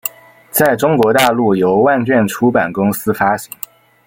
在中国大陆由万卷出版公司发行。